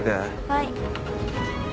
はい。